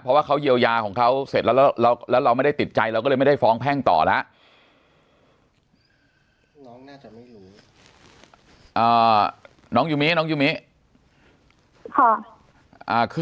เพราะว่าเงินก็ไม่ได้อยู่กับฝั่งหนูค่ะ